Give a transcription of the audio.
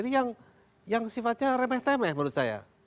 yang sifatnya remeh tremeh menurut saya